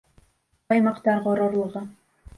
Баймаҡтар ғорурлығы